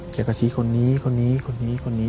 แกก็ชี้คนนี้คนนี้คนนี้คนนี้